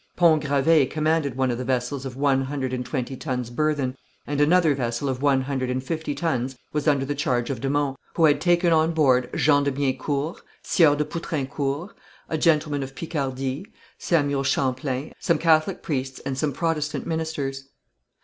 Pont Gravé commanded one of the vessels of one hundred and twenty tons burthen, and another vessel of one hundred and fifty tons was under the charge of de Monts, who had taken on board Jean de Biencourt, Sieur de Poutrincourt, a gentleman of Picardy, Samuel Champlain, some Catholic priests and some Protestant ministers.